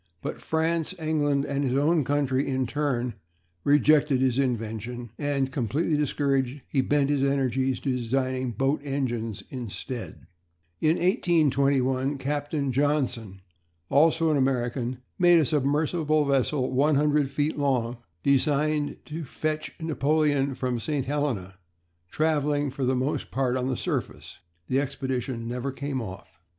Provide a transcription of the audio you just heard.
But France, England, and his own country in turn rejected his invention; and, completely discouraged, he bent his energies to designing boat engines instead. In 1821 Captain Johnson, also an American, made a submersible vessel 100 feet long, designed to fetch Napoleon from St. Helena, travelling for the most part upon the surface. This expedition never came off.